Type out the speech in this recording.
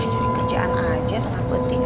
jadi kerjaan aja tetap penting